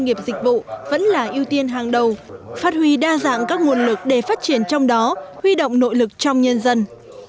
nghiệp dịch vụ vẫn là ưu tiên hàng đầu phát huy đa dạng các nguồn lực để phát triển trong đó huy động nội lực trong nhân dân